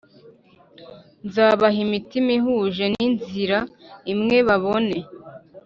Nzabaha imitima ihuje n inzira imwe babone